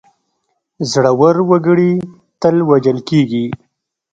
زړه ور وګړي تل وژل کېږي.